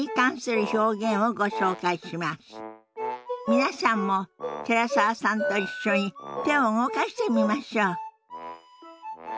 皆さんも寺澤さんと一緒に手を動かしてみましょう。